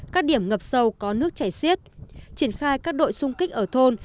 các điểm ngập sâu có nước chảy xiết triển khai các đội xung kích ở thôn